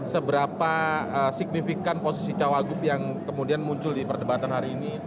seberapa signifikan posisi cawagup yang kemudian muncul di perdebatan hari ini